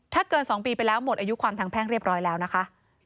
ถ้าเกิน๒ปีไปแล้วหมดอายุความทางแพ่งเรียบร้อยแล้วนะคะ